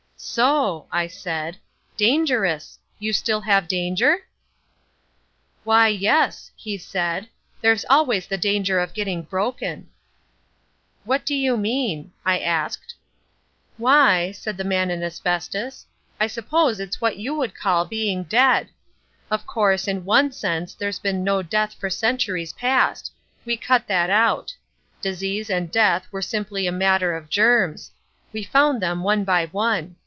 "So!" I said. "Dangerous! You still have danger?" "Why, yes," he said, "there's always the danger of getting broken." "What do you mean," I asked. "Why," said the Man in Asbestos, "I suppose it's what you would call being dead. Of course, in one sense there's been no death for centuries past; we cut that out. Disease and death were simply a matter of germs. We found them one by one.